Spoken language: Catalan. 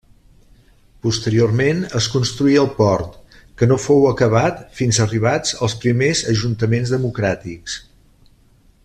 Posteriorment es construí el port, que no fou acabat fins arribats els primers ajuntaments democràtics.